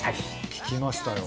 聞きましたよ。